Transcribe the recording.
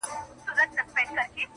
یاره وتله که چيري د خدای خپل سوې